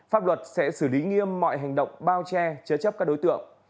pháp luật sẽ xử lý nghiêm mọi hành động bao che chế chấp các đối tượng